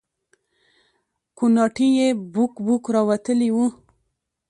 کوناټي يې بوک بوک راوتلي وو.